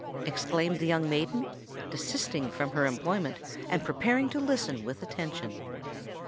exclaimed the young maiden, desisting from her employment, and preparing to listen with attention.